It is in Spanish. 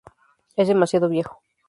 Es demasiado viejo.